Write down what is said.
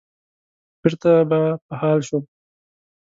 بېرته به په حال شوم.